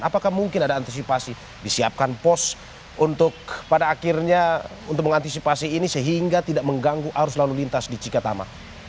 apakah mungkin ada antisipasi disiapkan pos untuk pada akhirnya untuk mengantisipasi ini sehingga tidak mengganggu arus lalu lintas di cikatama